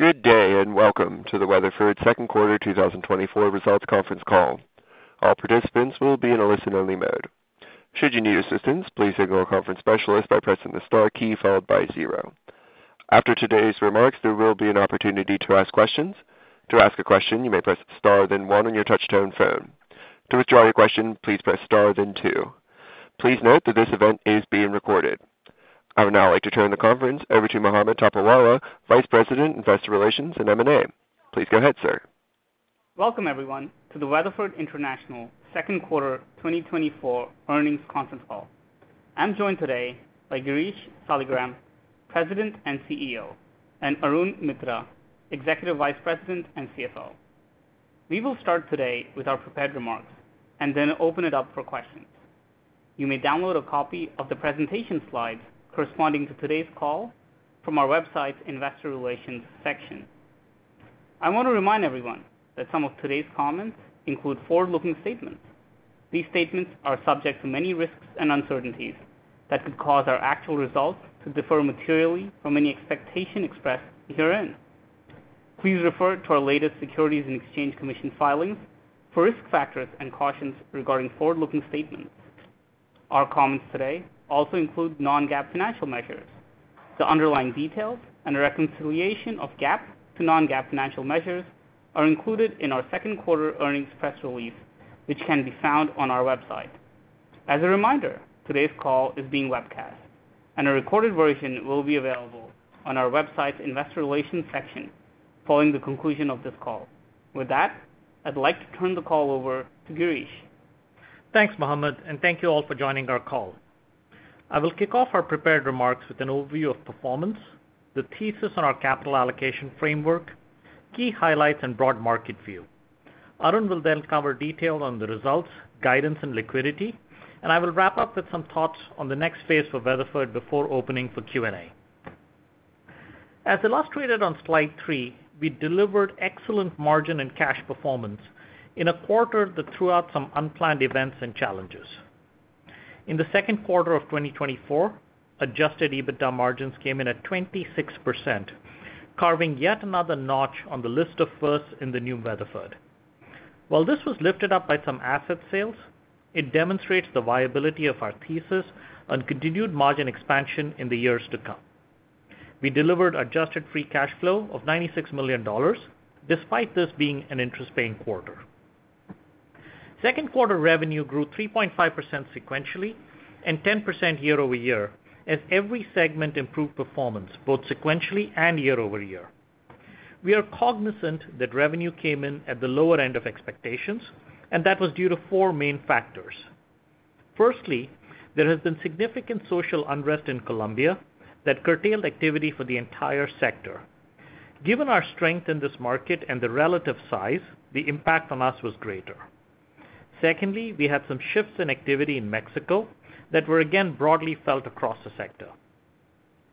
Good day, and welcome to the Weatherford Second Quarter 2024 Results Conference Call. All participants will be in a listen-only mode. Should you need assistance, please signal a conference specialist by pressing the star key followed by zero. After today's remarks, there will be an opportunity to ask questions. To ask a question, you may press star, then one on your touchtone phone. To withdraw your question, please press star, then two. Please note that this event is being recorded. I would now like to turn the conference over to Mohammed Topiwala, Vice President, Investor Relations and M&A. Please go ahead, sir. Welcome, everyone, to the Weatherford International Second Quarter 2024 earnings conference call. I'm joined today by Girish Saligram, President and CEO, and Arun Mitra, Executive Vice President and CFO. We will start today with our prepared remarks and then open it up for questions. You may download a copy of the presentation slides corresponding to today's call from our website's Investor Relations section. I want to remind everyone that some of today's comments include forward-looking statements. These statements are subject to many risks and uncertainties that could cause our actual results to differ materially from any expectation expressed herein. Please refer to our latest Securities and Exchange Commission filings for risk factors and cautions regarding forward-looking statements. Our comments today also include non-GAAP financial measures. The underlying details and reconciliation of GAAP to non-GAAP financial measures are included in our second quarter earnings press release, which can be found on our website. As a reminder, today's call is being webcast, and a recorded version will be available on our website's Investor Relations section following the conclusion of this call. With that, I'd like to turn the call over to Girish. Thanks, Mohammed, and thank you all for joining our call. I will kick off our prepared remarks with an overview of performance, the thesis on our capital allocation framework, key highlights, and broad market view. Arun will then cover detail on the results, guidance, and liquidity, and I will wrap up with some thoughts on the next phase for Weatherford before opening for Q&A. As illustrated on slide 3, we delivered excellent margin and cash performance in a quarter that threw out some unplanned events and challenges. In the second quarter of 2024, adjusted EBITDA margins came in at 26%, carving yet another notch on the list of firsts in the new Weatherford. While this was lifted up by some asset sales, it demonstrates the viability of our thesis on continued margin expansion in the years to come. We delivered adjusted free cash flow of $96 million, despite this being an interest-paying quarter. Second quarter revenue grew 3.5% sequentially and 10% year-over-year, as every segment improved performance, both sequentially and year-over-year. We are cognizant that revenue came in at the lower end of expectations, and that was due to four main factors. Firstly, there has been significant social unrest in Colombia that curtailed activity for the entire sector. Given our strength in this market and the relative size, the impact on us was greater. Secondly, we had some shifts in activity in Mexico that were again broadly felt across the sector.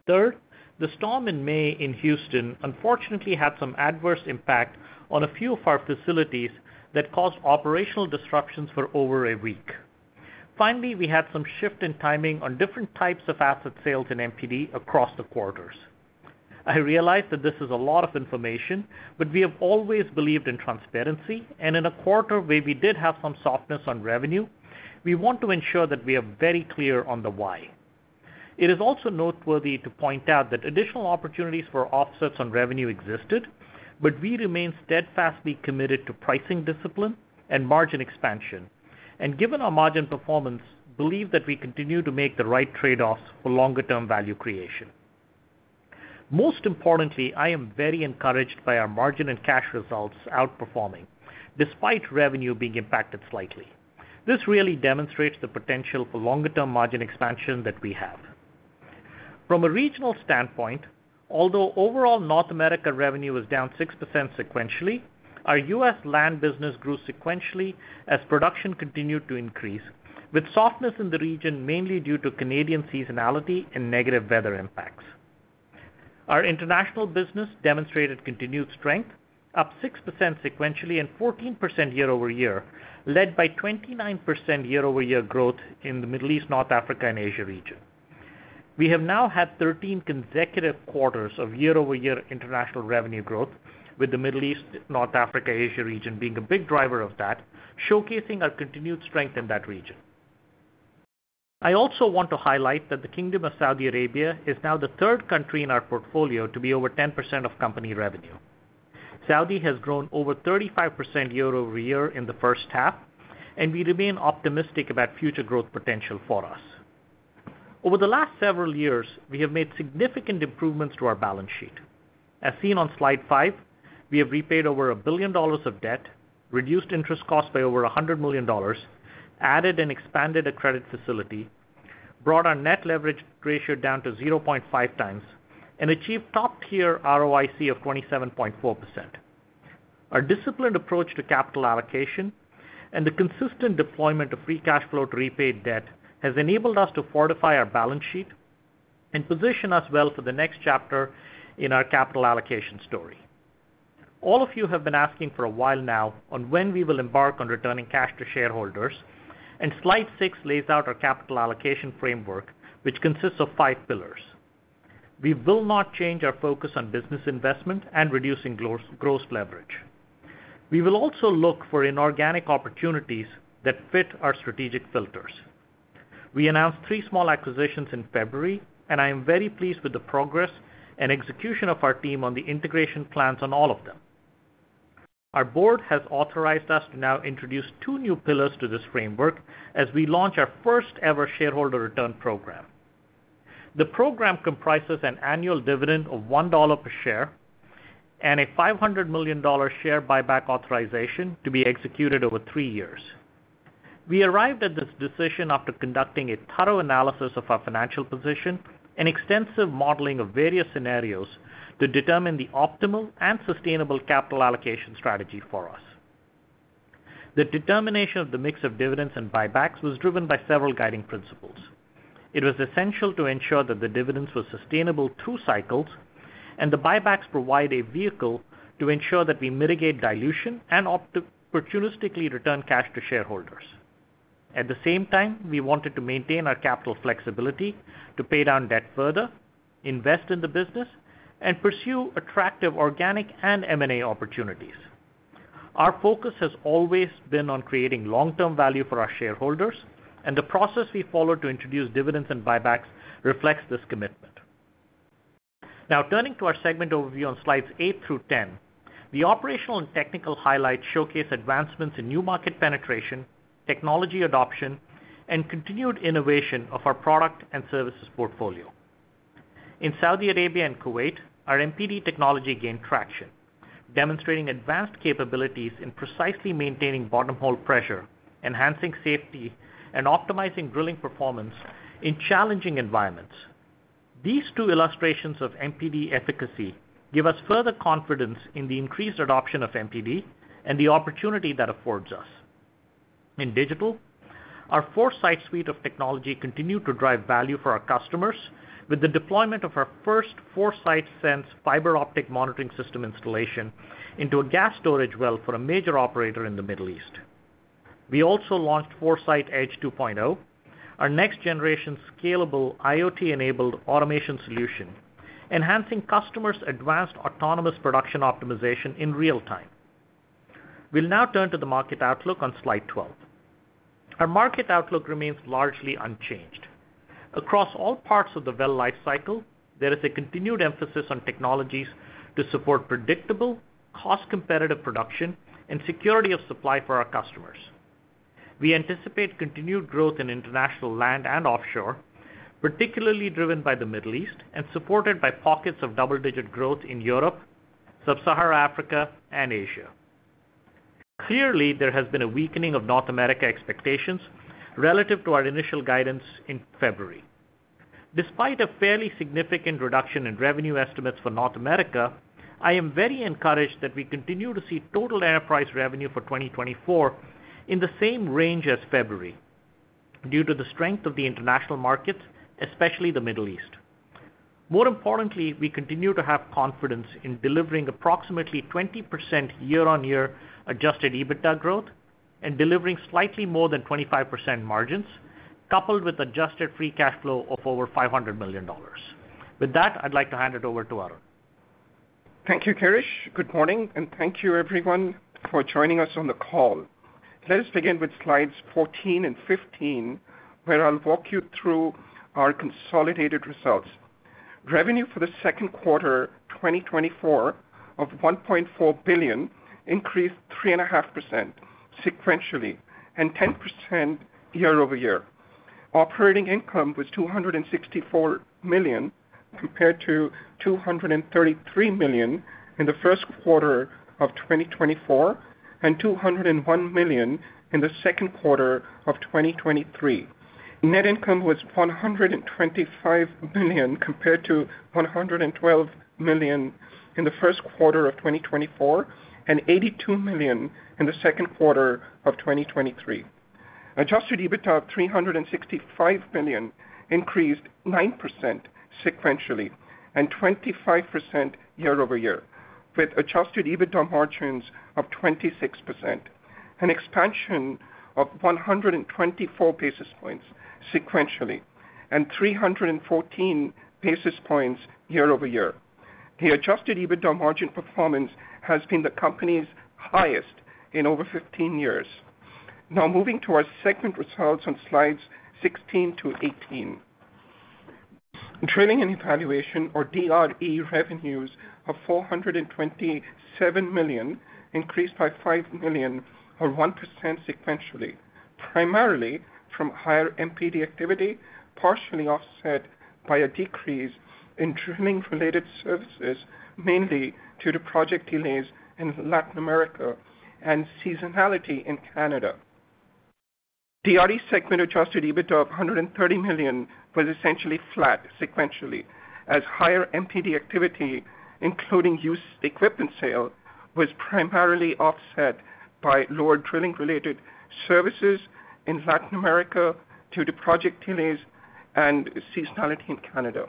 Third, the storm in May in Houston unfortunately, had some adverse impact on a few of our facilities that caused operational disruptions for over a week. Finally, we had some shift in timing on different types of asset sales in MPD across the quarters. I realize that this is a lot of information, but we have always believed in transparency, and in a quarter where we did have some softness on revenue, we want to ensure that we are very clear on the why. It is also noteworthy to point out that additional opportunities for offsets on revenue existed, but we remain steadfastly committed to pricing discipline and margin expansion, and given our margin performance, believe that we continue to make the right trade-offs for longer-term value creation. Most importantly, I am very encouraged by our margin and cash results outperforming, despite revenue being impacted slightly. This really demonstrates the potential for longer-term margin expansion that we have. From a regional standpoint, although overall North America revenue was down 6% sequentially, our US land business grew sequentially as production continued to increase, with softness in the region mainly due to Canadian seasonality and negative weather impacts. Our international business demonstrated continued strength, up 6% sequentially and 14% year-over-year, led by 29% year-over-year growth in the Middle East, North Africa, and Asia region. We have now had 13 consecutive quarters of year-over-year international revenue growth, with the Middle East, North Africa, Asia region being a big driver of that, showcasing our continued strength in that region. I also want to highlight that the Kingdom of Saudi Arabia is now the third country in our portfolio to be over 10% of company revenue. Saudi has grown over 35% year-over-year in the first half, and we remain optimistic about future growth potential for us. Over the last several years, we have made significant improvements to our balance sheet. As seen on slide 5, we have repaid over $1 billion of debt, reduced interest costs by over $100 million, added and expanded a credit facility, brought our net leverage ratio down to 0.5x, and achieved top-tier ROIC of 27.4%. Our disciplined approach to capital allocation and the consistent deployment of free cash flow to repay debt has enabled us to fortify our balance sheet and position us well for the next chapter in our capital allocation story.... All of you have been asking for a while now on when we will embark on returning cash to shareholders, and slide 6 lays out our capital allocation framework, which consists of five pillars. We will not change our focus on business investment and reducing gross, gross leverage. We will also look for inorganic opportunities that fit our strategic filters. We announced three small acquisitions in February, and I am very pleased with the progress and execution of our team on the integration plans on all of them. Our board has authorized us to now introduce two new pillars to this framework as we launch our first-ever shareholder return program. The program comprises an annual dividend of $1 per share and a $500 million share buyback authorization to be executed over 3 years. We arrived at this decision after conducting a thorough analysis of our financial position and extensive modeling of various scenarios to determine the optimal and sustainable capital allocation strategy for us. The determination of the mix of dividends and buybacks was driven by several guiding principles. It was essential to ensure that the dividends were sustainable through cycles, and the buybacks provide a vehicle to ensure that we mitigate dilution and opportunistically return cash to shareholders. At the same time, we wanted to maintain our capital flexibility to pay down debt further, invest in the business, and pursue attractive organic and M&A opportunities. Our focus has always been on creating long-term value for our shareholders, and the process we followed to introduce dividends and buybacks reflects this commitment. Now, turning to our segment overview on slides 8 through 10. The operational and technical highlights showcase advancements in new market penetration, technology adoption, and continued innovation of our product and services portfolio. In Saudi Arabia and Kuwait, our MPD technology gained traction, demonstrating advanced capabilities in precisely maintaining bottom hole pressure, enhancing safety, and optimizing drilling performance in challenging environments. These two illustrations of MPD efficacy give us further confidence in the increased adoption of MPD and the opportunity that affords us. In digital, our ForeSite suite of technology continued to drive value for our customers with the deployment of our first ForeSite Sense fiber optic monitoring system installation into a gas storage well for a major operator in the Middle East. We also launched ForeSite Edge 2.0, our next-generation, scalable, IoT-enabled automation solution, enhancing customers' advanced autonomous production optimization in real time. We'll now turn to the market outlook on slide 12. Our market outlook remains largely unchanged. Across all parts of the well lifecycle, there is a continued emphasis on technologies to support predictable, cost-competitive production and security of supply for our customers. We anticipate continued growth in international land and offshore, particularly driven by the Middle East and supported by pockets of double-digit growth in Europe, Sub-Saharan Africa, and Asia. Clearly, there has been a weakening of North America expectations relative to our initial guidance in February. Despite a fairly significant reduction in revenue estimates for North America, I am very encouraged that we continue to see total enterprise revenue for 2024 in the same range as February, due to the strength of the international markets, especially the Middle East. More importantly, we continue to have confidence in delivering approximately 20% year-on-year Adjusted EBITDA growth and delivering slightly more than 25% margins, coupled with Adjusted Free Cash Flow of over $500 million. With that, I'd like to hand it over to Arun. Thank you, Girish. Good morning, and thank you everyone for joining us on the call. Let us begin with slides 14 and 15, where I'll walk you through our consolidated results. Revenue for the second quarter 2024 of $1.4 billion increased 3.5% sequentially and 10% year-over-year. Operating income was $264 million, compared to $233 million in the first quarter of 2024, and $201 million in the second quarter of 2023. Net income was $125 million, compared to $112 million in the first quarter of 2024, and $82 million in the second quarter of 2023. Adjusted EBITDA of $365 million increased 9% sequentially and 25% year-over-year, with Adjusted EBITDA margins of 26%, an expansion of 124 basis points sequentially and 314 basis points year-over-year. The Adjusted EBITDA margin performance has been the company's highest in over 15 years. Now, moving to our segment results on slides 16 to 18. Drilling and Evaluation, or DRE, revenues of $427 million increased by $5 million or 1% sequentially, primarily from higher MPD activity, partially offset by a decrease in drilling-related services, mainly due to project delays in Latin America and seasonality in Canada. DRE segment Adjusted EBITDA of $130 million was essentially flat sequentially, as higher MPD activity, including used equipment sale, was primarily offset by lower drilling-related services in Latin America due to project delays. seasonality in Canada.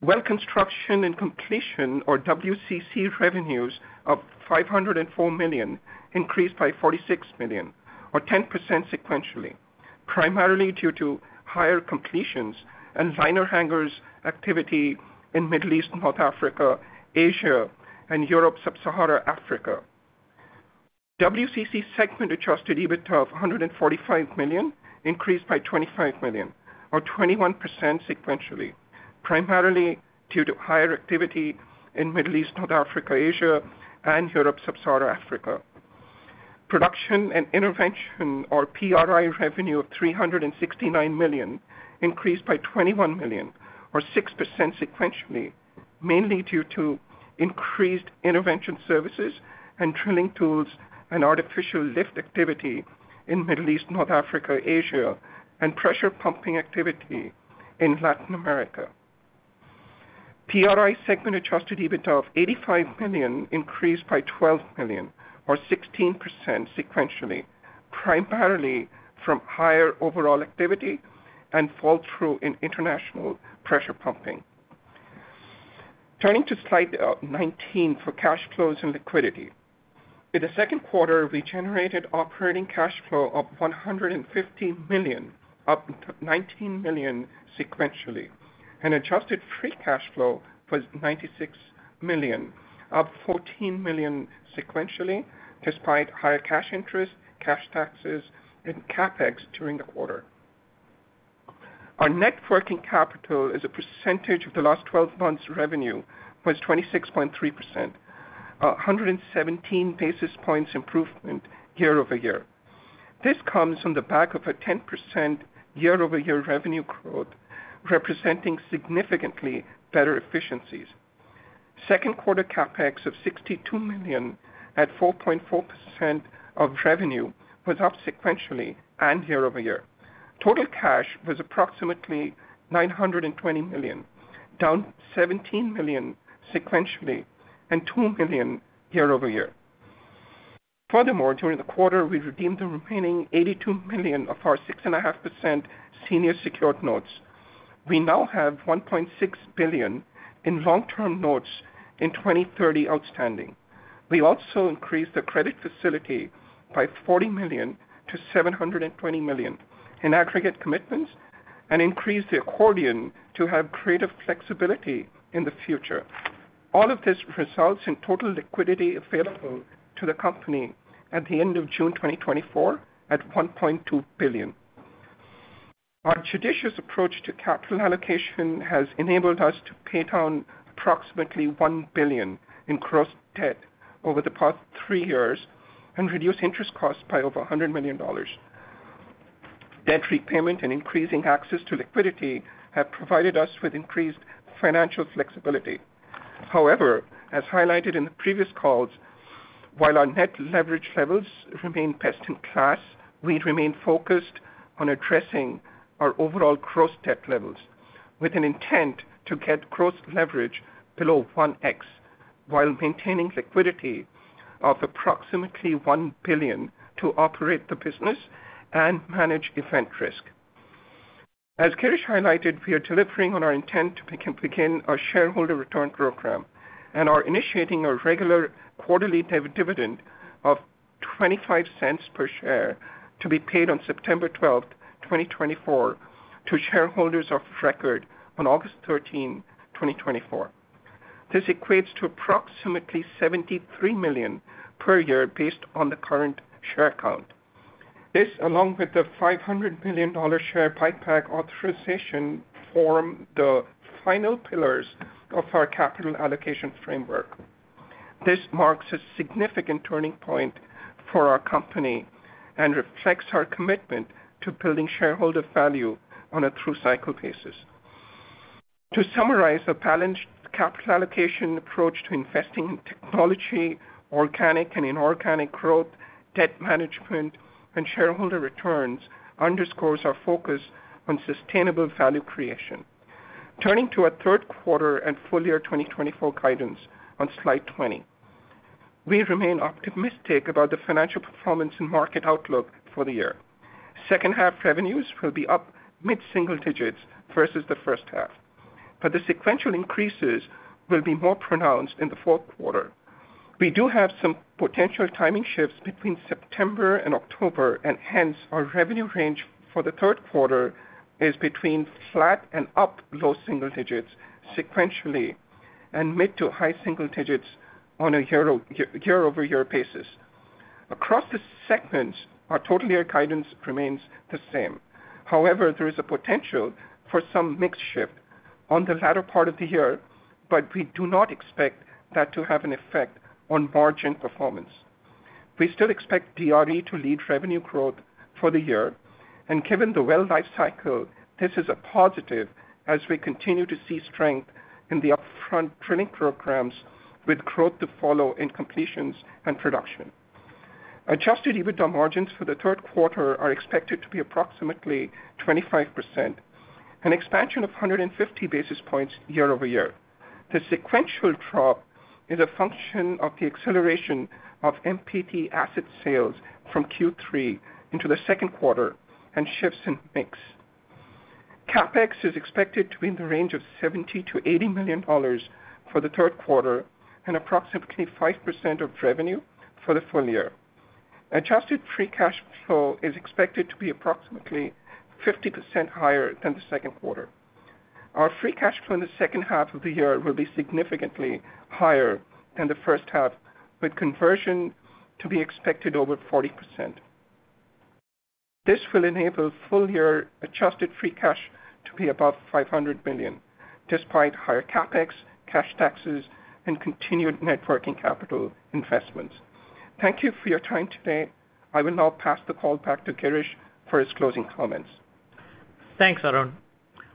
Well Construction and Completions, or WCC, revenues of $504 million increased by $46 million, or 10% sequentially, primarily due to higher completions and liner hangers activity in Middle East, North Africa, Asia, and Europe, Sub-Saharan Africa. WCC segment Adjusted EBITDA of $145 million increased by $25 million, or 21% sequentially, primarily due to higher activity in Middle East, North Africa, Asia, and Europe, Sub-Saharan Africa. Production and Intervention, or PRI, revenue of $369 million increased by $21 million, or 6% sequentially, mainly due to increased intervention services and drilling tools and artificial lift activity in Middle East, North Africa, Asia, and pressure pumping activity in Latin America. PRI segment Adjusted EBITDA of $85 million increased by $12 million, or 16% sequentially, primarily from higher overall activity and flow-through in international pressure pumping. Turning to slide nineteen for cash flows and liquidity. In the second quarter, we generated operating cash flow of $150 million, up $19 million sequentially, and adjusted free cash flow was $96 million, up $14 million sequentially, despite higher cash interest, cash taxes, and CapEx during the quarter. Our net working capital as a percentage of the last twelve months' revenue was 26.3%, a 117 basis points improvement year-over-year. This comes on the back of a 10% year-over-year revenue growth, representing significantly better efficiencies. Second quarter CapEx of $62 million at 4.4% of revenue was up sequentially and year-over-year. Total cash was approximately $920 million, down $17 million sequentially and $2 million year-over-year. Furthermore, during the quarter, we redeemed the remaining $82 million of our 6.5% senior secured notes. We now have $1.6 billion in long-term notes in 2030 outstanding. We also increased the credit facility by $40 million to $720 million in aggregate commitments and increased the accordion to have creative flexibility in the future. All of this results in total liquidity available to the company at the end of June 2024 at $1.2 billion. Our judicious approach to capital allocation has enabled us to pay down approximately $1 billion in gross debt over the past three years and reduce interest costs by over $100 million. Debt repayment and increasing access to liquidity have provided us with increased financial flexibility. However, as highlighted in the previous calls, while our net leverage levels remain best in class, we remain focused on addressing our overall gross debt levels with an intent to get gross leverage below 1x, while maintaining liquidity of approximately $1 billion to operate the business and manage event risk. As Girish highlighted, we are delivering on our intent to begin our shareholder return program and are initiating a regular quarterly dividend of $0.25 per share to be paid on September 12, 2024, to shareholders of record on August 13, 2024. This equates to approximately $73 million per year based on the current share count. This, along with the $500 million share buyback authorization, form the final pillars of our capital allocation framework. This marks a significant turning point for our company and reflects our commitment to building shareholder value on a true cycle basis. To summarize, a balanced capital allocation approach to investing in technology, organic and inorganic growth, debt management, and shareholder returns underscores our focus on sustainable value creation. Turning to our third quarter and full year 2024 guidance on Slide 20. We remain optimistic about the financial performance and market outlook for the year. Second half revenues will be up mid-single digits versus the first half, but the sequential increases will be more pronounced in the fourth quarter. We do have some potential timing shifts between September and October, and hence, our revenue range for the third quarter is between flat and up low single digits sequentially, and mid to high single digits on a year-over-year basis. Across the segments, our total year guidance remains the same. However, there is a potential for some mix shift on the latter part of the year, but we do not expect that to have an effect on margin performance. We still expect DRE to lead revenue growth for the year, and given the well life cycle, this is a positive as we continue to see strength in the upfront drilling programs with growth to follow in completions and production. Adjusted EBITDA margins for the third quarter are expected to be approximately 25%... an expansion of 150 basis points year-over-year. The sequential drop is a function of the acceleration of MPD asset sales from Q3 into the second quarter and shifts in mix. CapEx is expected to be in the range of $70 million-$80 million for the third quarter and approximately 5% of revenue for the full year. Adjusted Free Cash Flow is expected to be approximately 50% higher than the second quarter. Our free cash flow in the second half of the year will be significantly higher than the first half, with conversion to be expected over 40%. This will enable full-year Adjusted Free Cash Flow to be above $500 million, despite higher CapEx, cash taxes, and continued net working capital investments. Thank you for your time today. I will now pass the call back to Girish for his closing comments. Thanks, Arun.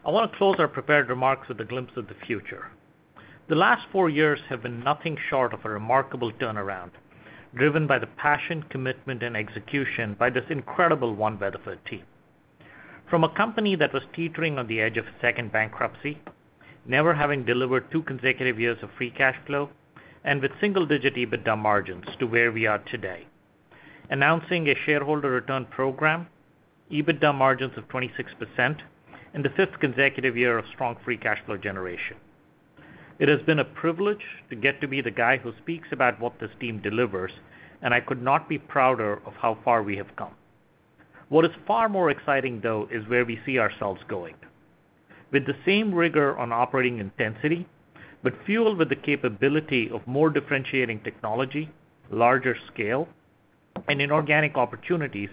I want to close our prepared remarks with a glimpse of the future. The last 4 years have been nothing short of a remarkable turnaround, driven by the passion, commitment, and execution by this incredible One Weatherford team. From a company that was teetering on the edge of second bankruptcy, never having delivered 2 consecutive years of free cash flow and with single-digit EBITDA margins to where we are today. Announcing a shareholder return program, EBITDA margins of 26%, and the 5th consecutive year of strong free cash flow generation. It has been a privilege to get to be the guy who speaks about what this team delivers, and I could not be prouder of how far we have come. What is far more exciting, though, is where we see ourselves going. With the same rigor on operating intensity, but fueled with the capability of more differentiating technology, larger scale, and inorganic opportunities,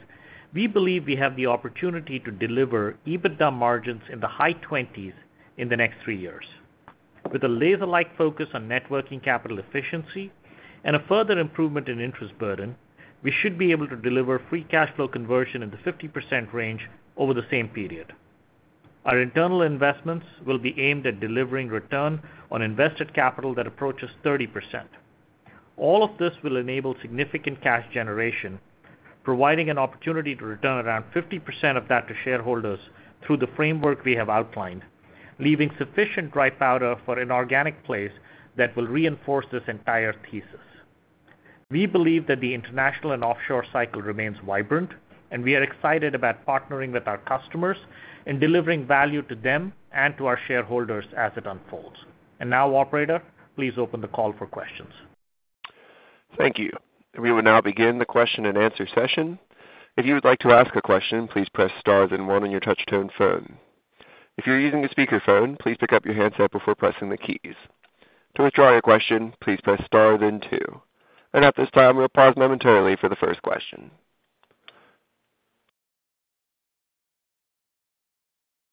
we believe we have the opportunity to deliver EBITDA margins in the high 20s% in the next three years. With a laser-like focus on working capital efficiency and a further improvement in interest burden, we should be able to deliver free cash flow conversion in the 50% range over the same period. Our internal investments will be aimed at delivering return on invested capital that approaches 30%. All of this will enable significant cash generation, providing an opportunity to return around 50% of that to shareholders through the framework we have outlined, leaving sufficient dry powder for an organic pace that will reinforce this entire thesis. We believe that the international and offshore cycle remains vibrant, and we are excited about partnering with our customers and delivering value to them and to our shareholders as it unfolds. Now, operator, please open the call for questions. Thank you. We will now begin the question-and-answer session. If you would like to ask a question, please press star then one on your touch tone phone. If you're using a speakerphone, please pick up your handset before pressing the keys. To withdraw your question, please press star, then two. At this time, we'll pause momentarily for the first question.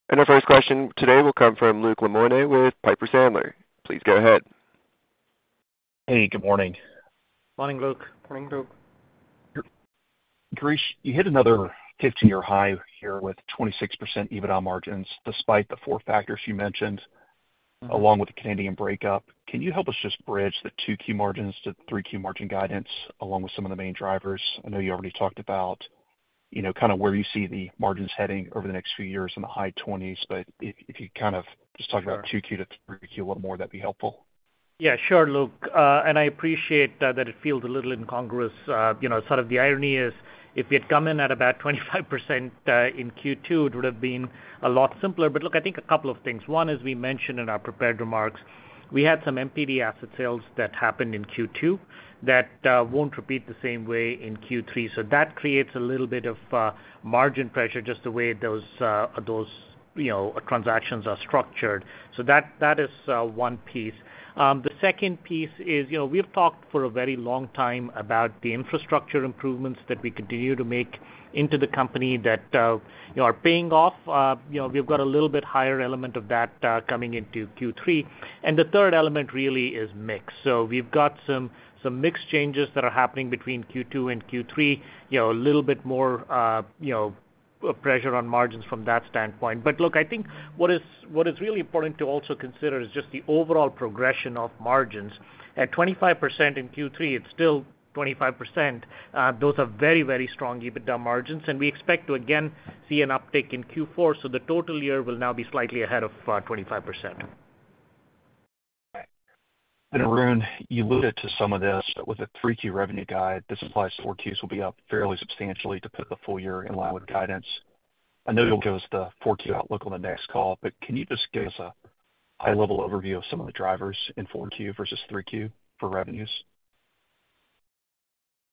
Our first question today will come from Luke Lemoine with Piper Sandler. Please go ahead. Hey, good morning. Morning, Luke. Morning, Luke. Girish, you hit another 15-year high here with 26% EBITDA margins, despite the four factors you mentioned, along with the Canadian breakup. Can you help us just bridge the two key margins to the three key margin guidance, along with some of the main drivers? I know you already talked about, you know, kind of where you see the margins heading over the next few years in the high 20s, but if, if you kind of just talk about- Sure. Q2 to Q3 a lot more, that'd be helpful. Yeah, sure, Luke. And I appreciate that it feels a little incongruous. You know, sort of the irony is, if we had come in at about 25% in Q2, it would have been a lot simpler. But look, I think a couple of things. One, as we mentioned in our prepared remarks, we had some MPD asset sales that happened in Q2, that won't repeat the same way in Q3. So that creates a little bit of margin pressure, just the way those, you know, transactions are structured. So that is one piece. The second piece is, you know, we've talked for a very long time about the infrastructure improvements that we continue to make into the company that, you know, are paying off. You know, we've got a little bit higher element of that coming into Q3. And the third element really is mix. So we've got some, some mix changes that are happening between Q2 and Q3, you know, a little bit more, you know, pressure on margins from that standpoint. But look, I think what is, what is really important to also consider is just the overall progression of margins. At 25% in Q3, it's still 25%. Those are very, very strong EBITDA margins, and we expect to again see an uptick in Q4, so the total year will now be slightly ahead of 25%. Arun, you alluded to some of this, but with a 3Q revenue guide, this applies, 4Q will be up fairly substantially to put the full year in line with guidance. I know you'll give us the 4Q outlook on the next call, but can you just give us a high-level overview of some of the drivers in 4Q versus 3Q for revenues?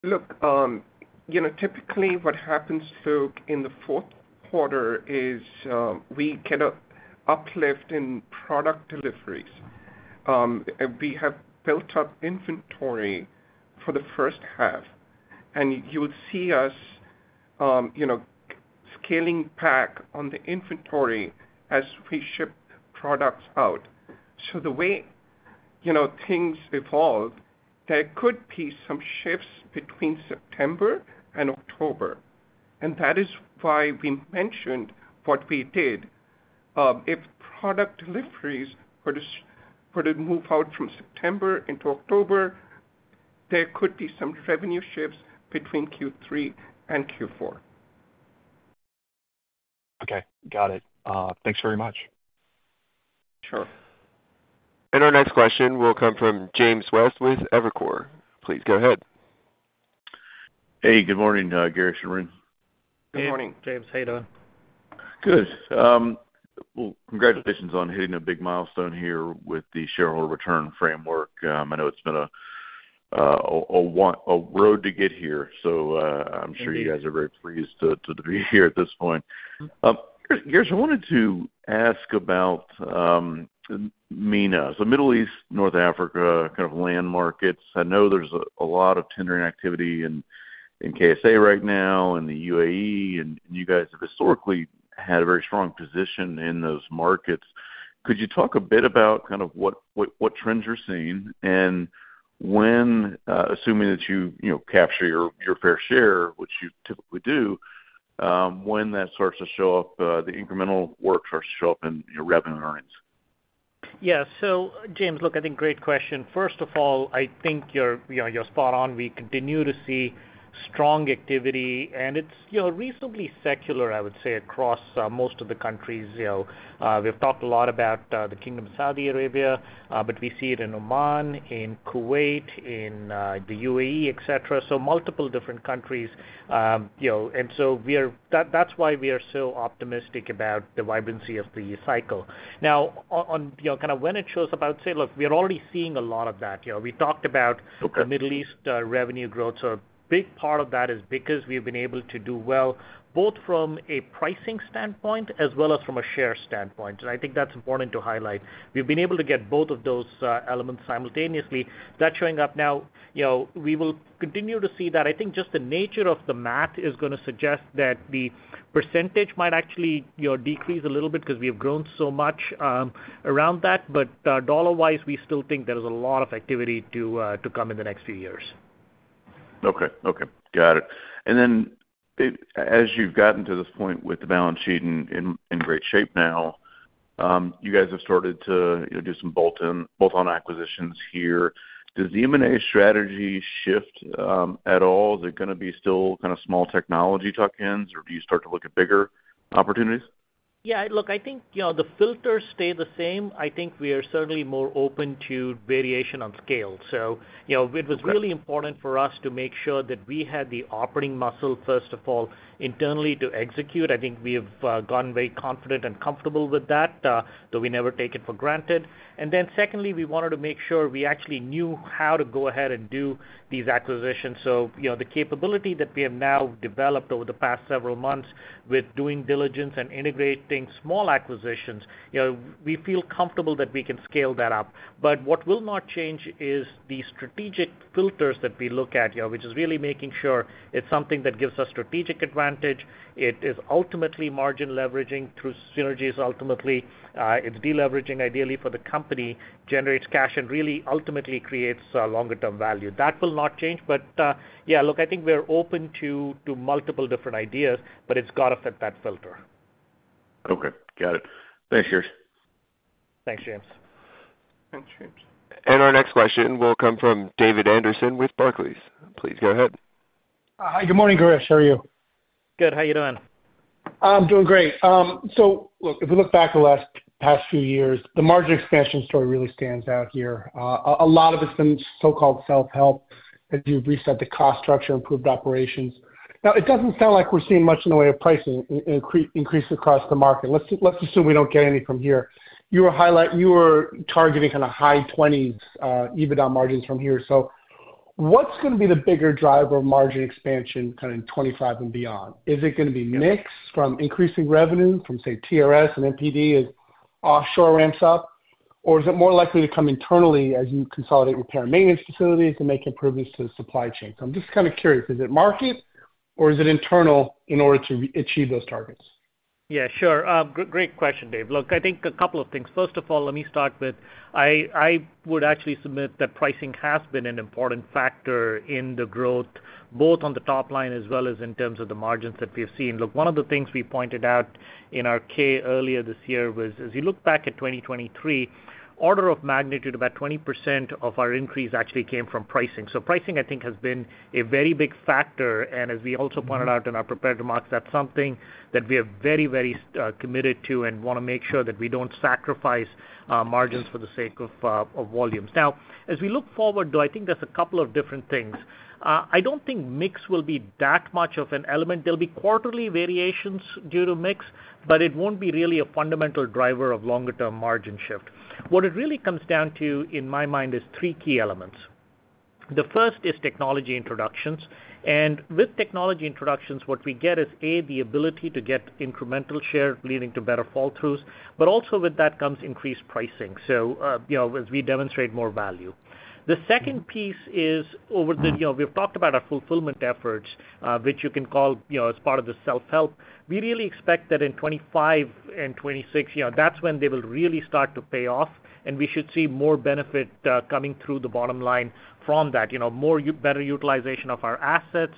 Look, you know, typically what happens, Luke, in the fourth quarter is, we get an uplift in product deliveries. We have built up inventory for the first half, and you will see us, you know, scaling back on the inventory as we ship products out. So the way, you know, things evolve, there could be some shifts between September and October, and that is why we mentioned what we did. If product deliveries were to move out from September into October-... there could be some revenue shifts between Q3 and Q4. Okay, got it. Thanks very much. Sure. Our next question will come from James West with Evercore. Please go ahead. Hey, good morning, Girish and Arun. Good morning, James. How you doing? Good. Well, congratulations on hitting a big milestone here with the shareholder return framework. I know it's been a road to get here, so, Indeed. I'm sure you guys are very pleased to be here at this point. Girish, I wanted to ask about MENA, so Middle East, North Africa, kind of land markets. I know there's a lot of tendering activity in KSA right now, and the UAE, and you guys have historically had a very strong position in those markets. Could you talk a bit about kind of what trends you're seeing, and when, assuming that you know capture your fair share, which you typically do, when that starts to show up, the incremental work starts to show up in your revenue and earnings? Yeah. So James, look, I think great question. First of all, I think you're, you know, you're spot on. We continue to see strong activity, and it's, you know, reasonably secular, I would say, across most of the countries. You know, we've talked a lot about the Kingdom of Saudi Arabia, but we see it in Oman, in Kuwait, in the UAE, et cetera, so multiple different countries. You know, and so we are... That's why we are so optimistic about the vibrancy of the cycle. Now, on, on, you know, kind of when it shows up, I would say, look, we are already seeing a lot of that. You know, we talked about- Okay. The Middle East, revenue growth. So a big part of that is because we've been able to do well, both from a pricing standpoint as well as from a share standpoint, and I think that's important to highlight. We've been able to get both of those, elements simultaneously. That's showing up now. You know, we will continue to see that. I think just the nature of the math is gonna suggest that the percentage might actually, you know, decrease a little bit because we've grown so much, around that. But, dollar-wise, we still think there is a lot of activity to, to come in the next few years. Okay, okay. Got it. And then it... As you've gotten to this point with the balance sheet in great shape now, you guys have started to, you know, do some bolt-in, bolt-on acquisitions here. Does the M&A strategy shift at all? Is it gonna be still kind of small technology tuck-ins, or do you start to look at bigger opportunities? Yeah, look, I think, you know, the filters stay the same. I think we are certainly more open to variation on scale. So, you know- Okay. It was really important for us to make sure that we had the operating muscle, first of all, internally to execute. I think we have gotten very confident and comfortable with that, though we never take it for granted. And then secondly, we wanted to make sure we actually knew how to go ahead and do these acquisitions. So, you know, the capability that we have now developed over the past several months with doing diligence and integrating small acquisitions, you know, we feel comfortable that we can scale that up. But what will not change is the strategic filters that we look at, you know, which is really making sure it's something that gives us strategic advantage. It is ultimately margin leveraging through synergies ultimately. It's deleveraging ideally for the company, generates cash, and really ultimately creates longer term value. That will not change. But, yeah, look, I think we're open to multiple different ideas, but it's got to fit that filter. Okay, got it. Thanks, Girish. Thanks, James. Thanks, James. Our next question will come from David Anderson with Barclays. Please go ahead. Hi, good morning, Girish. How are you? Good. How are you doing? I'm doing great. So look, if we look back over the past few years, the margin expansion story really stands out here. A lot of it's been so-called self-help, as you've reset the cost structure, improved operations. Now, it doesn't sound like we're seeing much in the way of pricing increase across the market. Let's assume we don't get any from here. You were targeting kind of high 20s EBITDA margins from here. So what's gonna be the bigger driver of margin expansion kind of in 2025 and beyond? Is it gonna be mix from increasing revenue from, say, TRS and MPD as offshore ramps up? Or is it more likely to come internally as you consolidate repair and maintenance facilities and make improvements to the supply chain? I'm just kind of curious, is it market or is it internal in order to achieve those targets? Yeah, sure. Great question, Dave. Look, I think a couple of things. First of all, let me start with, I, I would actually submit that pricing has been an important factor in the growth, both on the top line as well as in terms of the margins that we've seen. Look, one of the things we pointed out in our 10-K earlier this year was, as you look back at 2023, order of magnitude, about 20% of our increase actually came from pricing. So pricing, I think, has been a very big factor, and as we also pointed out in our prepared remarks, that's something that we are very, very, committed to and wanna make sure that we don't sacrifice, margins for the sake of, of volumes. Now, as we look forward, though, I think there's a couple of different things. I don't think mix will be that much of an element. There'll be quarterly variations due to mix, but it won't be really a fundamental driver of longer-term margin shift. What it really comes down to, in my mind, is three key elements. The first is technology introductions, and with technology introductions, what we get is, A, the ability to get incremental share, leading to better fall-throughs, but also with that comes increased pricing, so, you know, as we demonstrate more value. The second piece is over the, you know, we've talked about our fulfillment efforts, which you can call, you know, as part of the self-help. We really expect that in 2025 and 2026, you know, that's when they will really start to pay off, and we should see more benefit, coming through the bottom line from that. You know, more better utilization of our assets,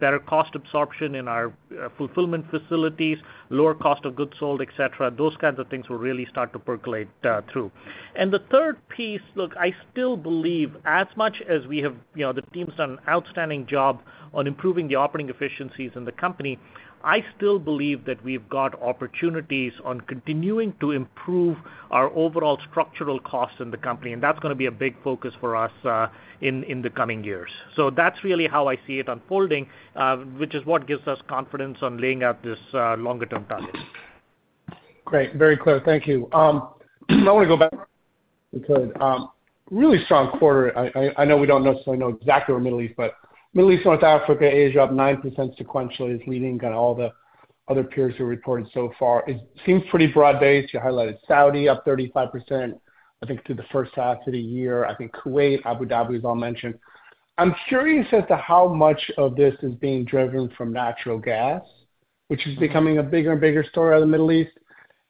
better cost absorption in our fulfillment facilities, lower cost of goods sold, et cetera. Those kinds of things will really start to percolate through. And the third piece, look, I still believe as much as we have... You know, the team's done an outstanding job on improving the operating efficiencies in the company, I still believe that we've got opportunities on continuing to improve our overall structural costs in the company, and that's gonna be a big focus for us in the coming years. So that's really how I see it unfolding, which is what gives us confidence on laying out this longer-term target.... Great, very clear. Thank you. I want to go back to really strong quarter. I know we don't necessarily know exactly where Middle East, but Middle East, North Africa, Asia, up 9% sequentially is leading on all the other peers who reported so far. It seems pretty broad-based. You highlighted Saudi, up 35%, I think, through the first half of the year. I think Kuwait, Abu Dhabi was all mentioned. I'm curious as to how much of this is being driven from natural gas, which is becoming a bigger and bigger story out of the Middle East.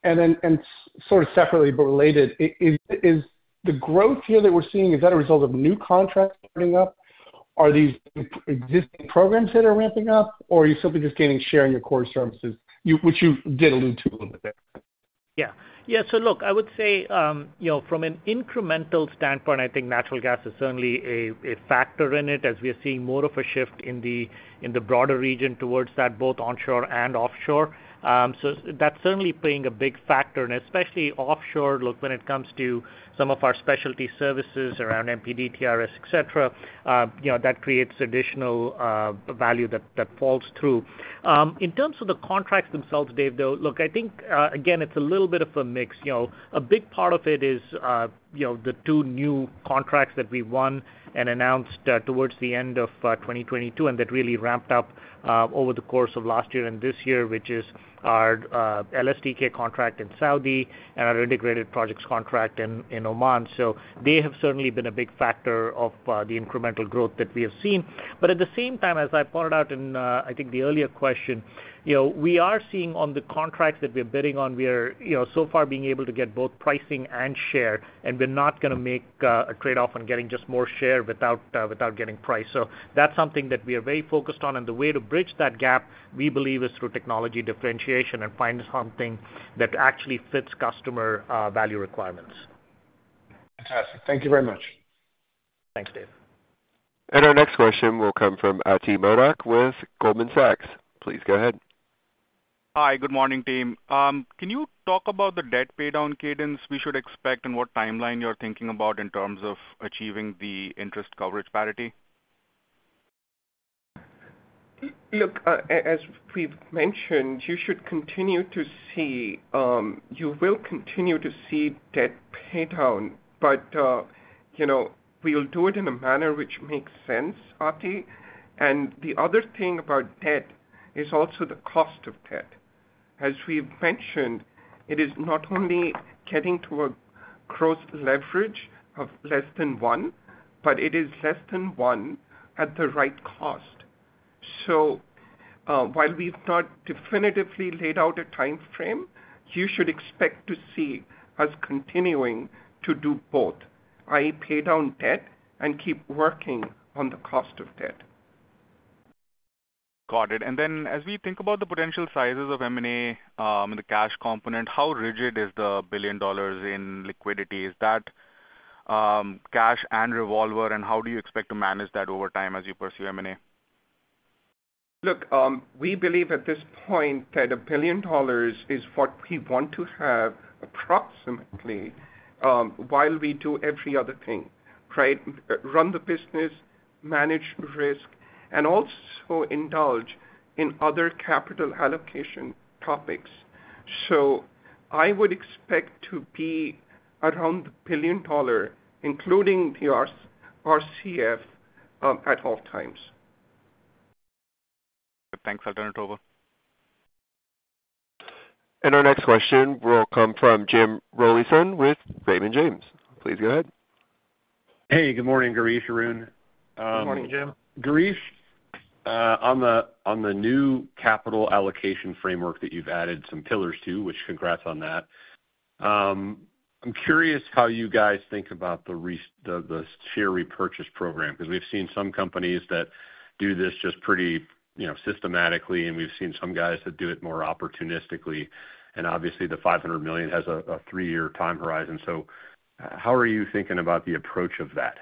And then, and sort of separately but related, is the growth here that we're seeing, is that a result of new contracts starting up? Are these existing programs that are ramping up, or are you simply just gaining share in your core services, which you did allude to a little bit? Yeah. Yeah, so look, I would say, you know, from an incremental standpoint, I think natural gas is certainly a factor in it, as we are seeing more of a shift in the broader region towards that, both onshore and offshore. So that's certainly playing a big factor, and especially offshore, look, when it comes to some of our specialty services around MPD, TRS, et cetera, you know, that creates additional value that falls through. In terms of the contracts themselves, Dave, though, look, I think again, it's a little bit of a mix. You know, a big part of it is, you know, the two new contracts that we won and announced, towards the end of 2022, and that really ramped up, over the course of last year and this year, which is our LSTK contract in Saudi and our integrated projects contract in Oman. So they have certainly been a big factor of the incremental growth that we have seen. But at the same time, as I pointed out in I think the earlier question, you know, we are seeing on the contracts that we're bidding on, we are, you know, so far being able to get both pricing and share, and we're not gonna make a trade-off on getting just more share without getting price. So that's something that we are very focused on, and the way to bridge that gap, we believe, is through technology differentiation and finding something that actually fits customer value requirements. Fantastic. Thank you very much. Thanks, Dave. Our next question will come from Ati Modak with Goldman Sachs. Please go ahead. Hi, good morning, team. Can you talk about the debt paydown cadence we should expect and what timeline you're thinking about in terms of achieving the interest coverage parity? Look, as we've mentioned, you should continue to see... you will continue to see debt paydown, but, you know, we'll do it in a manner which makes sense, Ati. The other thing about debt is also the cost of debt. As we've mentioned, it is not only getting to a gross leverage of less than one, but it is less than one at the right cost. So, while we've not definitively laid out a timeframe, you should expect to see us continuing to do both, i.e., pay down debt and keep working on the cost of debt. Got it. And then, as we think about the potential sizes of M&A, and the cash component, how rigid is the $1 billion in liquidity? Is that, cash and revolver, and how do you expect to manage that over time as you pursue M&A? Look, we believe at this point that $1 billion is what we want to have approximately, while we do every other thing, right? Run the business, manage risk, and also indulge in other capital allocation topics. So I would expect to be around $1 billion, including the RCF, at all times. Thanks, Ati Modak. And our next question will come from Jim Rollyson with Raymond James. Please go ahead. Hey, good morning, Girish, Arun. Good morning, Jim. Girish, on the new capital allocation framework that you've added some pillars to, which congrats on that, I'm curious how you guys think about the, the share repurchase program. Because we've seen some companies that do this just pretty, you know, systematically, and we've seen some guys that do it more opportunistically, and obviously, the $500 million has a three-year time horizon. So how are you thinking about the approach of that?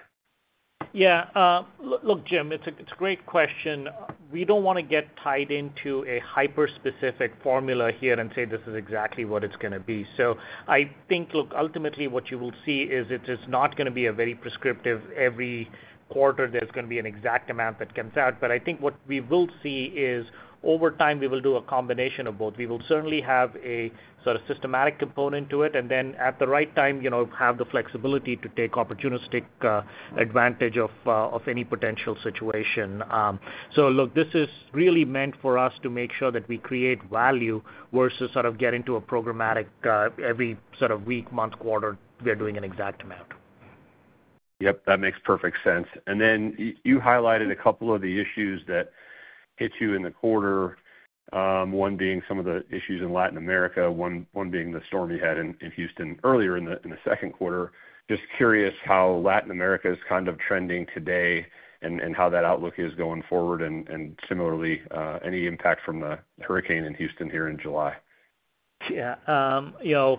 Yeah, look, Jim, it's a great question. We don't wanna get tied into a hyper-specific formula here and say, "This is exactly what it's gonna be." So I think, look, ultimately, what you will see is it is not gonna be a very prescriptive every quarter there's gonna be an exact amount that comes out. But I think what we will see is, over time, we will do a combination of both. We will certainly have a sort of systematic component to it, and then at the right time, you know, have the flexibility to take opportunistic advantage of any potential situation. So look, this is really meant for us to make sure that we create value versus sort of getting to a programmatic every sort of week, month, quarter, we are doing an exact amount. Yep, that makes perfect sense. And then you highlighted a couple of the issues that hit you in the quarter, one being some of the issues in Latin America, one being the storm you had in Houston earlier in the second quarter. Just curious how Latin America is kind of trending today and how that outlook is going forward, and similarly, any impact from the hurricane in Houston here in July?... Yeah, you know,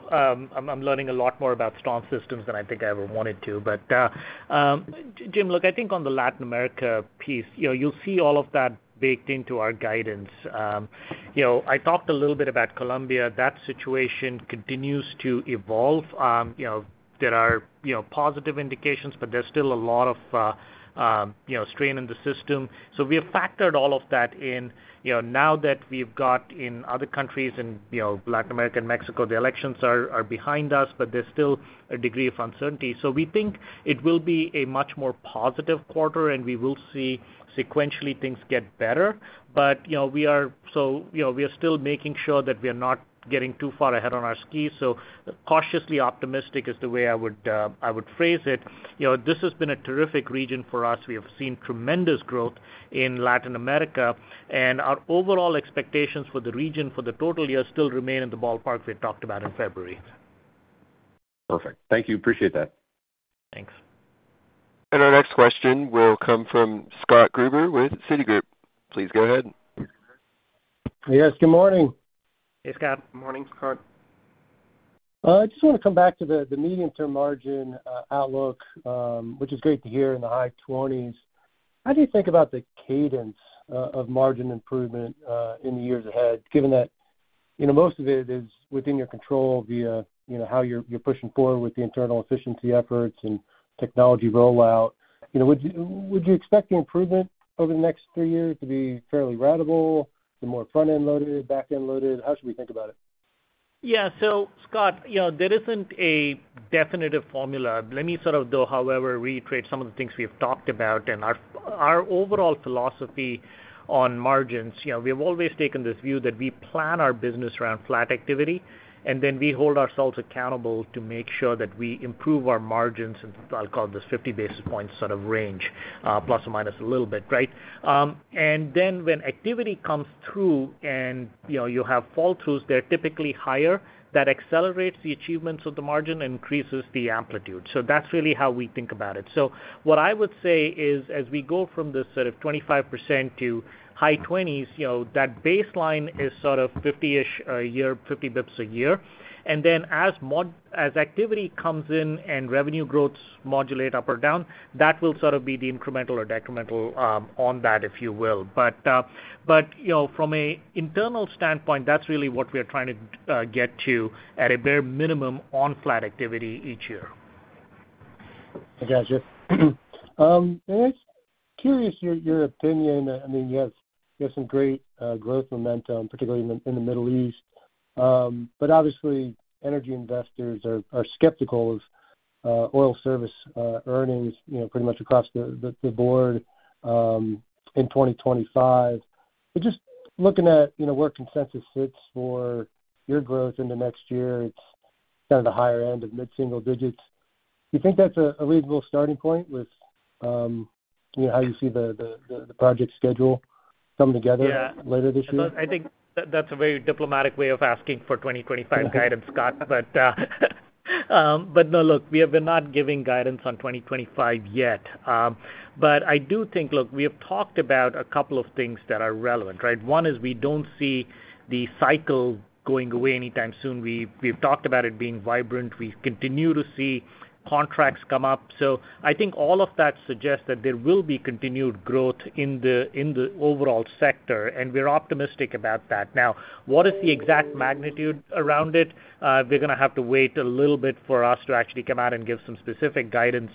I'm learning a lot more about storm systems than I think I ever wanted to. But, Jim, look, I think on the Latin America piece, you know, you'll see all of that baked into our guidance. You know, I talked a little bit about Colombia. That situation continues to evolve. You know, there are positive indications, but there's still a lot of strain in the system. So we have factored all of that in. You know, now that we've got in other countries, in Latin America and Mexico, the elections are behind us, but there's still a degree of uncertainty. So we think it will be a much more positive quarter, and we will see sequentially things get better. But, you know, we are still making sure that we are not getting too far ahead on our skis. So cautiously optimistic is the way I would, I would phrase it. You know, this has been a terrific region for us. We have seen tremendous growth in Latin America, and our overall expectations for the region for the total year still remain in the ballpark we had talked about in February. Perfect. Thank you. Appreciate that. Thanks. Our next question will come from Scott Gruber with Citigroup. Please go ahead. Yes, good morning. Hey, Scott. Morning, Scott. I just wanna come back to the medium-term margin outlook, which is great to hear in the high 20s. How do you think about the cadence of margin improvement in the years ahead, given that, you know, most of it is within your control via, you know, how you're pushing forward with the internal efficiency efforts and technology rollout? You know, would you expect the improvement over the next three years to be fairly ratable, the more front-end loaded, back-end loaded? How should we think about it? Yeah. So, Scott, you know, there isn't a definitive formula. Let me sort of, though, however, reiterate some of the things we've talked about. And our, our overall philosophy on margins, you know, we have always taken this view that we plan our business around flat activity, and then we hold ourselves accountable to make sure that we improve our margins, and I'll call this 50 basis points sort of range, plus or minus a little bit, right? And then when activity comes through and, you know, you have fall tools, they're typically higher, that accelerates the achievements of the margin and increases the amplitude. So that's really how we think about it. So what I would say is, as we go from this sort of 25% to high 20s, you know, that baseline is sort of 50-ish a year, 50 basis points a year. Then as activity comes in and revenue growths modulate up or down, that will sort of be the incremental or decremental on that, if you will. But, but, you know, from an internal standpoint, that's really what we are trying to get to at a bare minimum on flat activity each year. I gotcha. And I'm just curious your opinion. I mean, you have some great growth momentum, particularly in the Middle East. But obviously, energy investors are skeptical of oil service earnings, you know, pretty much across the board in 2025. But just looking at, you know, where consensus sits for your growth in the next year, it's kind of the higher end of mid-single digits. Do you think that's a reasonable starting point with, you know, how you see the project schedule come together- Yeah. later this year? I think that's a very diplomatic way of asking for 2025 guidance, Scott. But, but no, look, we have, we're not giving guidance on 2025 yet. But I do think... Look, we have talked about a couple of things that are relevant, right? One is we don't see the cycle going away anytime soon. We've, we've talked about it being vibrant. We continue to see contracts come up. So I think all of that suggests that there will be continued growth in the, in the overall sector, and we're optimistic about that. Now, what is the exact magnitude around it? We're gonna have to wait a little bit for us to actually come out and give some specific guidance,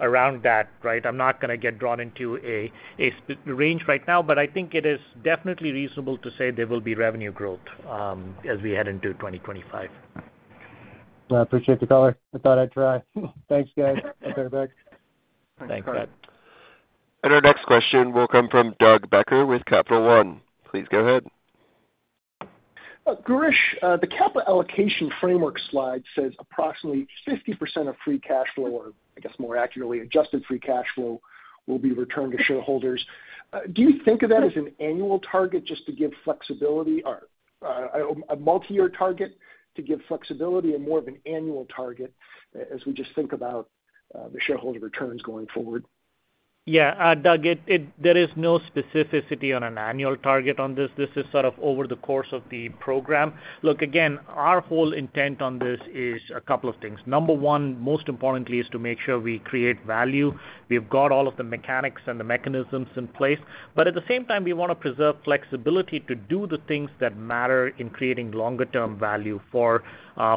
around that, right? I'm not gonna get drawn into a specific range right now, but I think it is definitely reasonable to say there will be revenue growth as we head into 2025. I appreciate the color. I thought I'd try. Thanks, guys. I'll turn it back. Thanks, Scott. Our next question will come from Doug Becker with Capital One. Please go ahead. Girish, the capital allocation framework slide says approximately 50% of free cash flow, or I guess more accurately, Adjusted Free Cash Flow, will be returned to shareholders. Do you think of that as an annual target just to give flexibility or a multi-year target to give flexibility and more of an annual target as we just think about the shareholder returns going forward? Yeah. Doug, there is no specificity on an annual target on this. This is sort of over the course of the program. Look, again, our whole intent on this is a couple of things. Number one, most importantly, is to make sure we create value. We've got all of the mechanics and the mechanisms in place, but at the same time, we wanna preserve flexibility to do the things that matter in creating longer-term value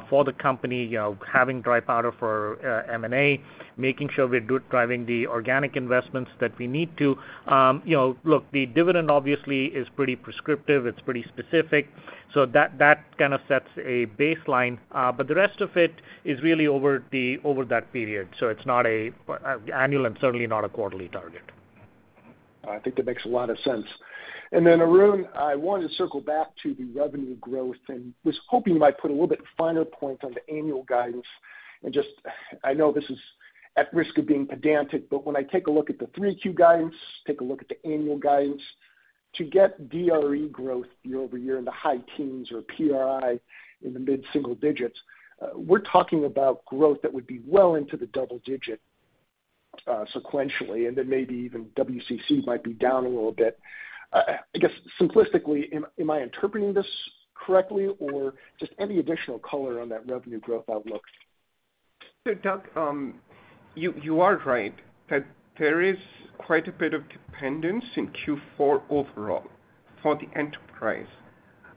for the company, you know, having dry powder for M&A, making sure we're good, driving the organic investments that we need to. You know, look, the dividend obviously is pretty prescriptive, it's pretty specific, so that kind of sets a baseline. But the rest of it is really over that period, so it's not an annual and certainly not a quarterly target. I think that makes a lot of sense. And then, Arun, I wanted to circle back to the revenue growth, and was hoping you might put a little bit finer point on the annual guidance. And just, I know this is at risk of being pedantic, but when I take a look at the 3Q guidance, take a look at the annual guidance, to get DRE growth year-over-year in the high teens or PRI in the mid-single digits, we're talking about growth that would be well into the double-digit.... sequentially, and then maybe even WCC might be down a little bit. I guess simplistically, am I interpreting this correctly, or just any additional color on that revenue growth outlook? So, Doug, you, you are right, that there is quite a bit of dependence in Q4 overall for the enterprise.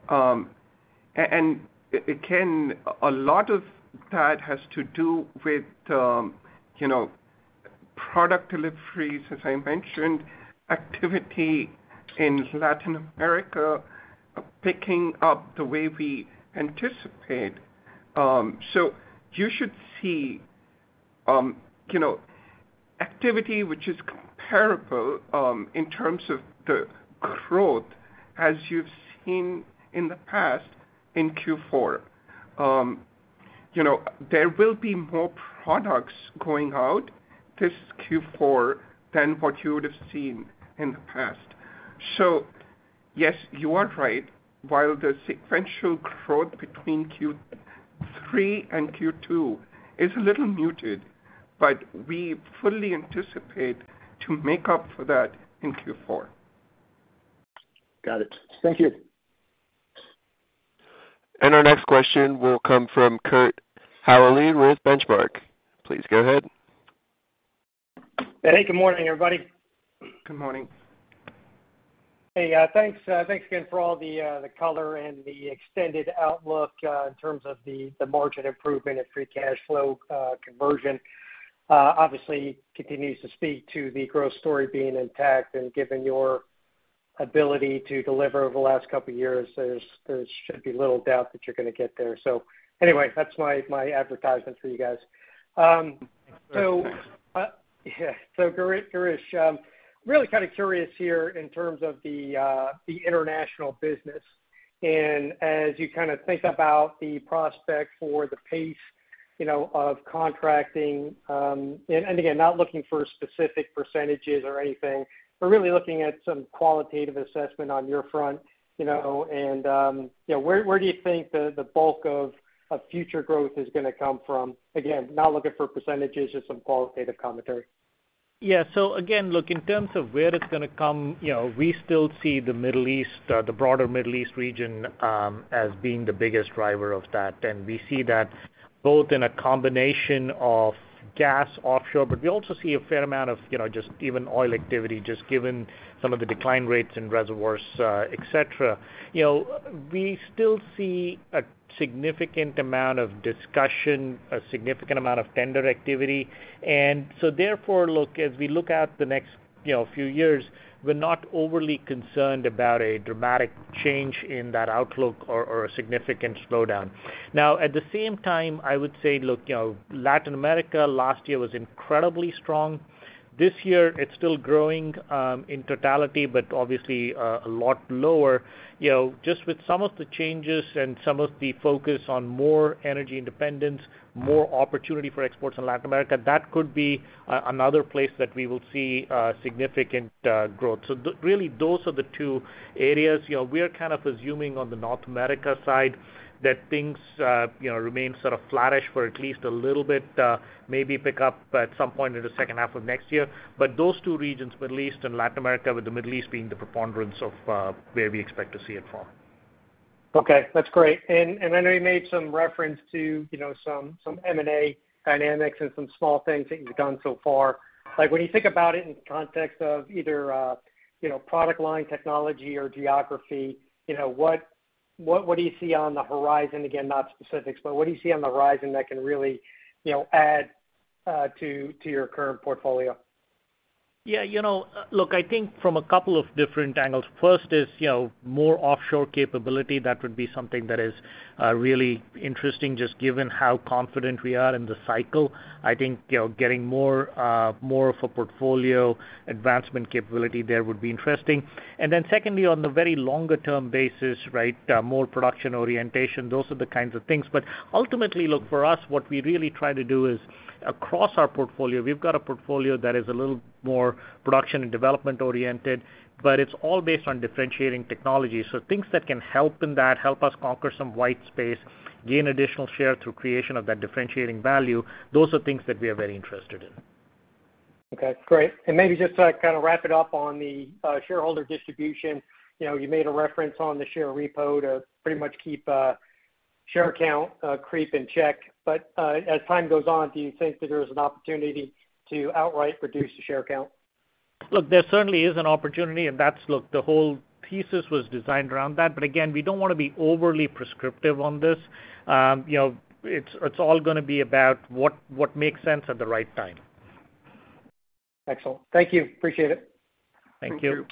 And it can—a lot of that has to do with, you know, product deliveries, as I mentioned, activity in Latin America, picking up the way we anticipate. So you should see, you know, activity which is comparable, in terms of the growth as you've seen in the past in Q4. You know, there will be more products going out this Q4 than what you would have seen in the past. So yes, you are right. While the sequential growth between Q3 and Q2 is a little muted, but we fully anticipate to make up for that in Q4. Got it. Thank you. Our next question will come from Kurt Hallead with Benchmark. Please go ahead. Hey, good morning, everybody. Good morning. Hey, thanks again for all the color and the extended outlook in terms of the margin improvement and free cash flow conversion. Obviously continues to speak to the growth story being intact and given your ability to deliver over the last couple of years, there should be little doubt that you're gonna get there. So anyway, that's my advertisement for you guys. So, Girish, really kind of curious here in terms of the international business. As you kind of think about the prospect for the pace, you know, of contracting, and again, not looking for specific percentages or anything, but really looking at some qualitative assessment on your front, you know, and, you know, where do you think the bulk of future growth is gonna come from? Again, not looking for percentages, just some qualitative commentary. Yeah. So again, look, in terms of where it's gonna come, you know, we still see the Middle East, the broader Middle East region, as being the biggest driver of that. And we see that both in a combination of gas offshore, but we also see a fair amount of, you know, just even oil activity, just given some of the decline rates in reservoirs, et cetera. You know, we still see a significant amount of discussion, a significant amount of tender activity, and so therefore, look, as we look at the next, you know, few years, we're not overly concerned about a dramatic change in that outlook or, or a significant slowdown. Now, at the same time, I would say, look, you know, Latin America last year was incredibly strong. This year, it's still growing, in totality, but obviously, a lot lower. You know, just with some of the changes and some of the focus on more energy independence, more opportunity for exports in Latin America, that could be another place that we will see significant growth. So really, those are the two areas. You know, we are kind of assuming on the North America side, that things, you know, remain sort of flattish for at least a little bit, maybe pick up at some point in the second half of next year. But those two regions, Middle East and Latin America, with the Middle East being the preponderance of where we expect to see it from. Okay, that's great. And I know you made some reference to, you know, some M&A dynamics and some small things that you've done so far. Like, when you think about it in the context of either, you know, product line technology or geography, you know, what do you see on the horizon? Again, not specifics, but what do you see on the horizon that can really, you know, add to your current portfolio? Yeah, you know, look, I think from a couple of different angles. First is, you know, more offshore capability, that would be something that is really interesting, just given how confident we are in the cycle. I think, you know, getting more, more of a portfolio advancement capability there would be interesting. And then secondly, on the very longer-term basis, right, more production orientation, those are the kinds of things. But ultimately, look, for us, what we really try to do is across our portfolio, we've got a portfolio that is a little more production and development oriented, but it's all based on differentiating technology. So things that can help in that, help us conquer some white space, gain additional share through creation of that differentiating value, those are things that we are very interested in. Okay, great. And maybe just to kind of wrap it up on the, shareholder distribution, you know, you made a reference on the share repo to pretty much keep, share count, creep in check. But, as time goes on, do you think that there is an opportunity to outright reduce the share count? Look, there certainly is an opportunity, and that's... look, the whole thesis was designed around that. But again, we don't want to be overly prescriptive on this. You know, it's all gonna be about what makes sense at the right time. Excellent. Thank you. Appreciate it. Thank you.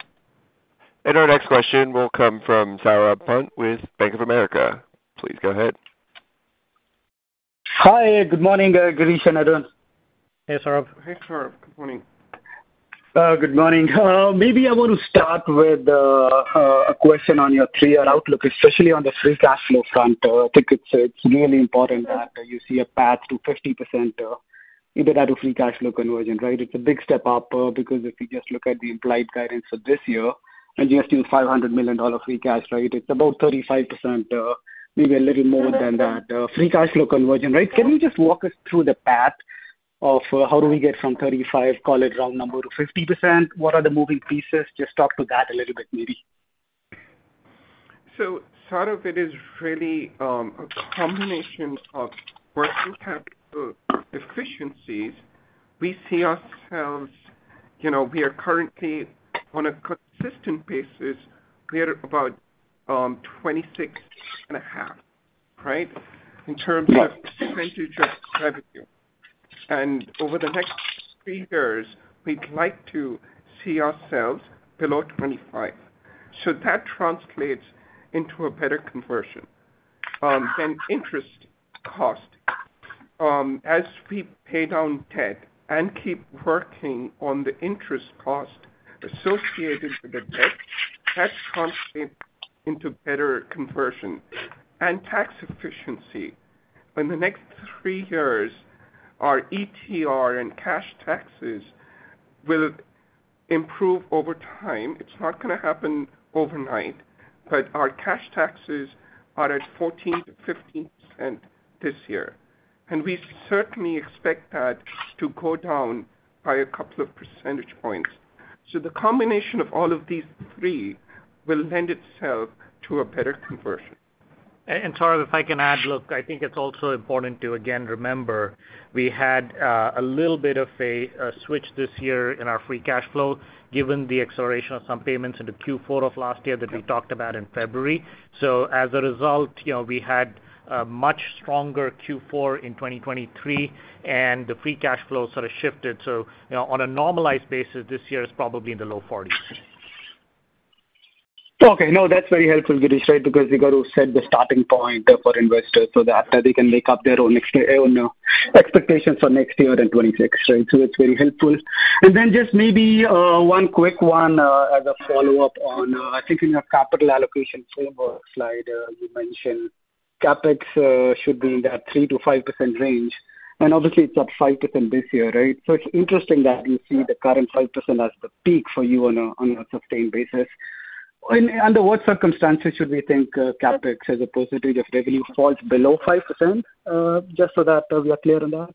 Our next question will come from Saurabh Pant with Bank of America. Please go ahead. Hi, good morning, Girish and Arun. Hey, Saurabh. Hey, Saurabh. Good morning. Good morning. Maybe I want to start with a question on your clear outlook, especially on the free cash flow front. I think it's really important that you see a path to 50% EBITDA free cash flow conversion, right? It's a big step up because if you just look at the implied guidance for this year, and you have still $500 million free cash, right? It's about 35%, maybe a little more than that, free cash flow conversion, right? Can you just walk us through the path of how do we get from 35, call it round number, to 50%? What are the moving pieces? Just talk to that a little bit, maybe. So Saurabh, it is really a combination of working capital efficiencies. We see ourselves, you know, we are currently on a consistent basis, we are about 26.5, right? In terms of percentage of revenue. And over the next three years, we'd like to see ourselves below 25. So that translates into a better conversion. And interest cost, as we pay down debt and keep working on the interest cost associated with the debt, that translates into better conversion. And tax efficiency. In the next three years, our ETR and cash taxes will improve over time. It's not gonna happen overnight, but our cash taxes are at 14%-15% this year, and we certainly expect that to go down by a couple of percentage points. So the combination of all of these three will lend itself to a better conversion. Saurabh, if I can add. Look, I think it's also important to again remember, we had a little bit of a switch this year in our free cash flow, given the acceleration of some payments into Q4 of last year that we talked about in February. So as a result, you know, we had a much stronger Q4 in 2023, and the free cash flow sort of shifted. So, you know, on a normalized basis, this year is probably in the low 40s. Okay. No, that's very helpful, Girish, right? Because we got to set the starting point for investors so that after they can make up their own next year, own expectations for next year in 2026, right? So it's very helpful. And then just maybe, one quick one, as a follow-up on, I think in your capital allocation framework slide, you mentioned CapEx should be in that 3%-5% range, and obviously it's at 5% this year, right? So it's interesting that you see the current 5% as the peak for you on a sustained basis. And under what circumstances should we think CapEx, as a percentage of revenue, falls below 5%? Just so that we are clear on that.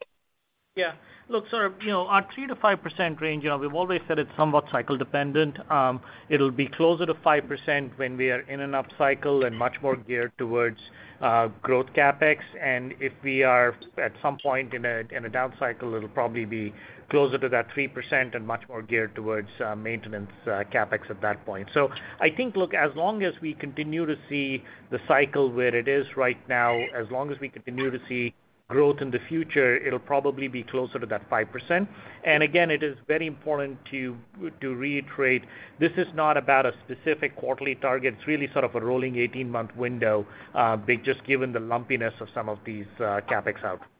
Yeah. Look, Saurabh, you know, our 3%-5% range, you know, we've always said it's somewhat cycle dependent. It'll be closer to 5% when we are in an up cycle and much more geared towards growth CapEx. And if we are at some point in a down cycle, it'll probably be closer to that 3% and much more geared towards maintenance CapEx at that point. So I think, look, as long as we continue to see the cycle where it is right now, as long as we continue to see growth in the future, it'll probably be closer to that 5%. And again, it is very important to reiterate, this is not about a specific quarterly target. It's really sort of a rolling 18-month window, just given the lumpiness of some of these CapEx outcomes.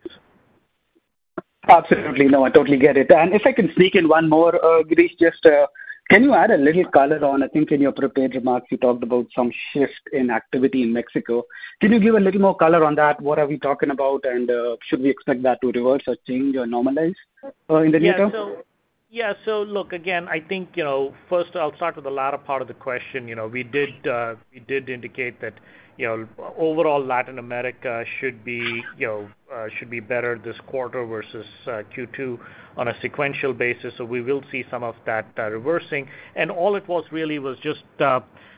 Absolutely. No, I totally get it. And if I can sneak in one more, Girish, just, can you add a little color on... I think in your prepared remarks, you talked about some shift in activity in Mexico. Can you give a little more color on that? What are we talking about? And, should we expect that to reverse or change or normalize, in the near term? Yeah. So, yeah. So look, again, I think, you know, first I'll start with the latter part of the question. You know, we did indicate that, you know, overall Latin America should be, you know, should be better this quarter versus Q2 on a sequential basis. So we will see some of that reversing. And all it was really was just,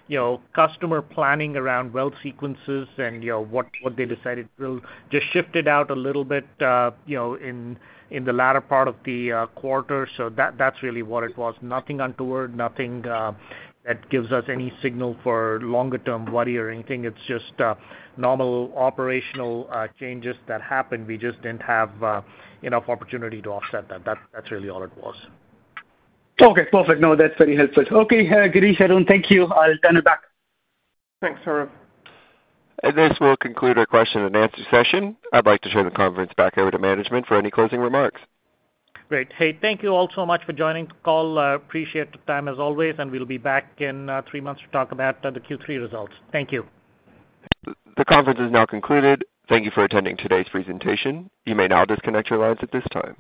you know, customer planning around well sequences and, you know, what they decided will just shifted out a little bit, you know, in the latter part of the quarter. So that, that's really what it was. Nothing untoward, nothing that gives us any signal for longer term worry or anything. It's just normal operational changes that happened. We just didn't have enough opportunity to offset that. That, that's really all it was. Okay, perfect. No, that's very helpful. Okay, Girish, Arun, thank you. I'll turn it back. Thanks, Saurabh. This will conclude our question and answer session. I'd like to turn the conference back over to management for any closing remarks. Great! Hey, thank you all so much for joining the call. Appreciate the time as always, and we'll be back in three months to talk about the Q3 results. Thank you. The conference is now concluded. Thank you for attending today's presentation. You may now disconnect your lines at this time.